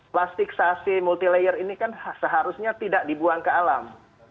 plastik sasi multi layer ini kan seharusnya tidak dibuang ke alam